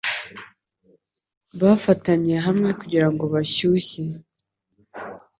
Bafatanye hamwe kugirango bashyushye